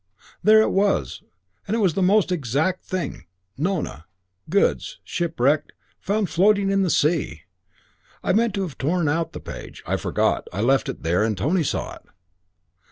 There it was, and it was the most exact thing 'Nona: goods shipwrecked and found floating in the sea.' I meant to have torn out the page. I forgot. I left it there and Tony saw it."